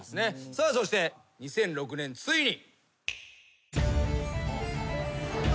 さあそして２００６年ついに。